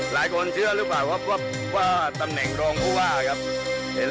หลายคนเชื่อหรือเปล่าครับว่าตำแหน่งรองผู้ว่าครับ